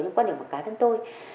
nhưng quan điểm của cá nhân tôi